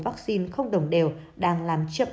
vaccine không đồng đều đang làm chậm